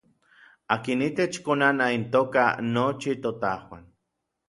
Akin itech konanaj intoka nochi totajuan.